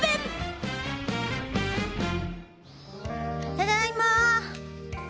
ただいま。